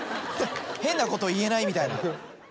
変なこと言えないみたいな。